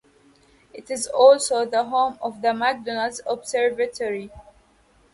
It is also the home of the McDonald Observatory.